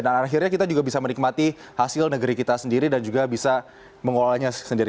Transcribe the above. dan akhirnya kita juga bisa menikmati hasil negeri kita sendiri dan juga bisa mengolahnya sendiri